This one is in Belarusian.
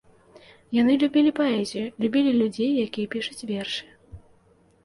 Яны любілі паэзію, любілі людзей, якія пішуць вершы.